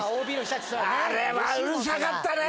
あれはうるさかったね。